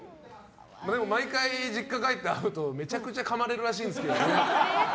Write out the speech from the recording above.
毎回実家帰って会うとめちゃくちゃかまれるらしいんですけどね。